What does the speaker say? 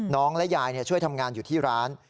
และยายช่วยทำงานอยู่ที่ร้าน